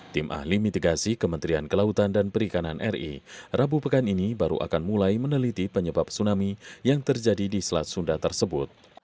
tim ahli mitigasi kementerian kelautan dan perikanan ri rabu pekan ini baru akan mulai meneliti penyebab tsunami yang terjadi di selat sunda tersebut